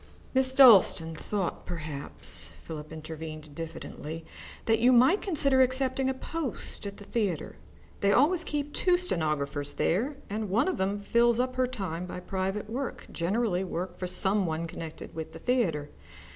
"Miss Dalstan thought, perhaps," Philip intervened diffidently, "that you might consider accepting a post at the theatre. They always keep two stenographers there, and one of them fills up her time by private work, generally work for some one connected with the theatre.